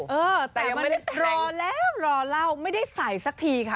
เออแต่มันรอแล้วรอเล่าไม่ได้ใส่สักทีค่ะ